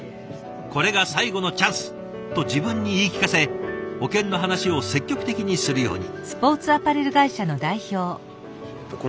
「これが最後のチャンス」と自分に言い聞かせ保険の話を積極的にするように。